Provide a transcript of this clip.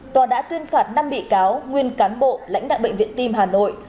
tòa đã tuyên phạt năm bị cáo nguyên cán bộ lãnh đạo bệnh viện tim hà nội